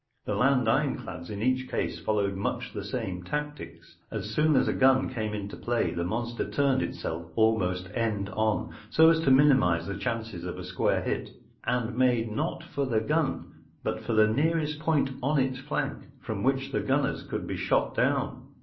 The land ironclads in each case followed much the same tactics. As soon as a gun came into play the monster turned itself almost end on, so as to get the biggest chance of a glancing hit, and made not for the gun, but for the nearest point on its flank from which the gunners could be shot down.